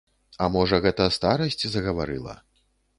А можа гэта старасць загаварыла?